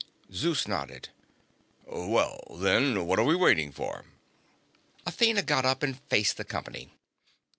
Zeus nodded. "Well, then, what are we waiting for?" Athena got up and faced the company.